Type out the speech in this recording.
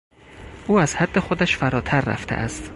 او از حد خودش فراتر رفته است.